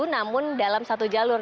namun dalam satu jalur